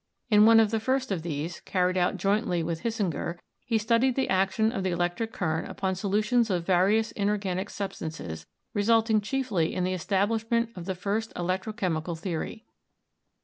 In one of the first of these, carried out jointly with Hisinger, he studied the action of the electric current upon solutions of various inorganic substances, resulting chiefly in the establishment of the first electrochemical theory.